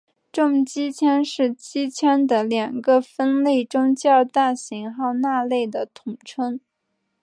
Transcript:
重机枪是机枪的两个分类中较大型号那类的统称。